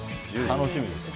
楽しみです。